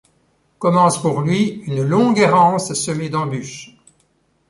Commence pour lui une longue errance semée d'embûches.